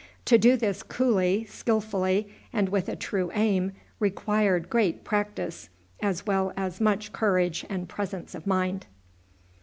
To do this coolly, skillfully, and with a true aim, required great practice as well as much courage and presence of mind.